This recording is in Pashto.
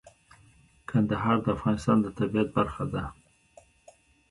کندهار د افغانستان د طبیعت برخه ده.